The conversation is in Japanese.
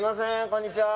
こんにちは